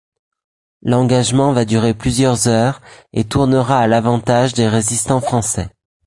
L'engagement va durer plusieurs heures et tournera à l'avantage des résistants français.